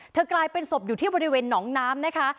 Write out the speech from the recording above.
เธอเป็นสกอยู่ที่บริเวณน้องน้ำ